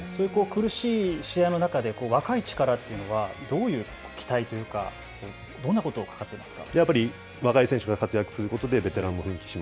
苦しい試合の中で若い力というのはどういう期待というか、どんなこと、かかっていますか。